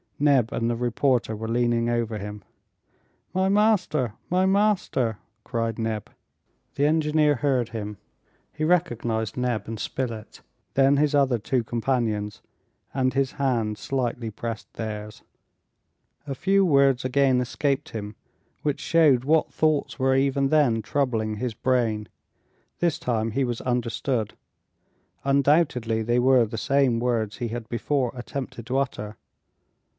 Neb and the reporter were leaning over him. "My master! my master!" cried Neb. The engineer heard him. He recognized Neb and Spilett, then his other two companions, and his hand slightly pressed theirs. A few words again escaped him, which showed what thoughts were, even then, troubling his brain. This time he was understood. Undoubtedly they were the same words he had before attempted to utter.